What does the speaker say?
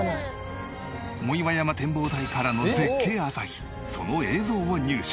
藻岩山展望台からの絶景朝日その映像を入手。